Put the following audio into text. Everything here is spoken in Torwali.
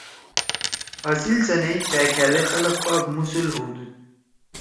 اصیل سینئی کھأ کھأدے خلگ پاک مُوسُول ہؤدُود۔